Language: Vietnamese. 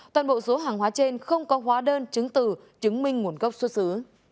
toàn bộ số hàng hóa trên không có hóa đơn chứng từ chứng minh nguồn gốc xuất xứ